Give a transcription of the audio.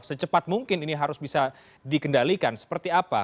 secepat mungkin ini harus bisa dikendalikan seperti apa